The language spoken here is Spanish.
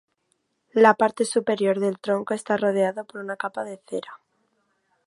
La parte superior del tronco está rodeado por una capa de cera.